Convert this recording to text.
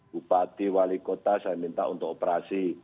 bupati wali kota saya minta untuk operasi